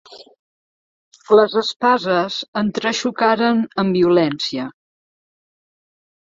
Les espases entrexocaren amb violència.